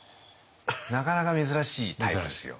なかなか珍しいタイプですよ。